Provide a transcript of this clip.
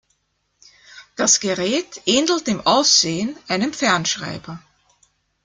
Das Gerät ähnelt im Aussehen einem Fernschreiber.